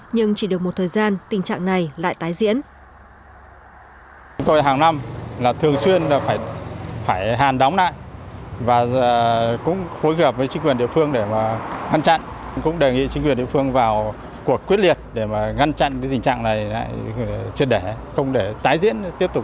nhưng chỉ được một thời gian tình trạng này lại tái diễn